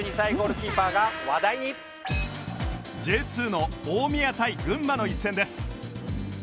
Ｊ２ の大宮対群馬の一戦です